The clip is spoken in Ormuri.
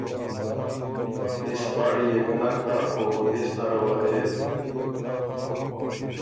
دِس پاړی يې ګۀ نک هۀ او دِس نره وه دې